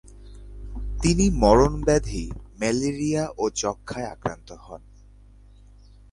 তিনি মারণ ম্যালেরিয়া ও যক্ষ্মায় আক্রান্ত হন।